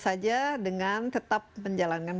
saja dengan tetap menjalankan